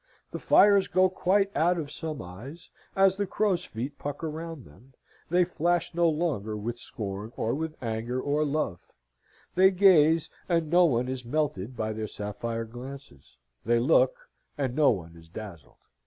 The fires go quite out of some eyes, as the crow's feet pucker round them; they flash no longer with scorn, or with anger, or love; they gaze, and no one is melted by their sapphire glances; they look, and no one is dazzled.